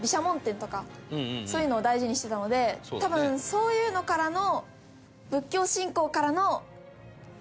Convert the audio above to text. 多分そういうのからの。